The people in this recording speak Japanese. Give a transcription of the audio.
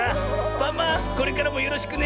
パマこれからもよろしくね。